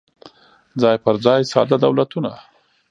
څای پر ځای ساده دولتونه